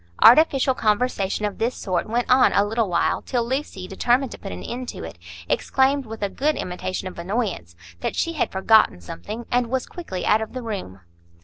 Artificial conversation of this sort went on a little while, till Lucy, determined to put an end to it, exclaimed, with a good imitation of annoyance, that she had forgotten something, and was quickly out of the room.